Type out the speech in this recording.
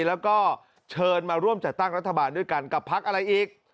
แล้วก็เชิญมาร่วมจัดตั้งรัฐบาลด้วยกันกับพักอะไรอีก